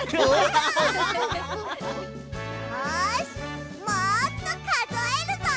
よしもっとかぞえるぞ！